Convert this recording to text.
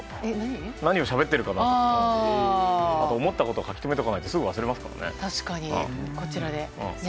何をしゃべっているかなとか思ったことを書き留めておかないとすぐ忘れますからね。